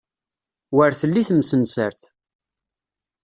Wer telli temsensert.